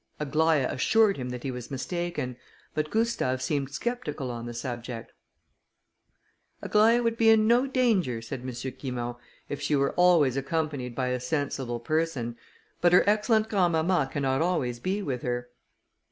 Aglaïa assured him that he was mistaken; but Gustave seemed sceptical on the subject. "Aglaïa would be in no danger," said M. Guimont, "if she were always accompanied by a sensible person; but her excellent grandmamma cannot always be with her."